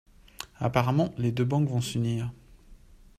Apparemment les deux banques vont s'unir.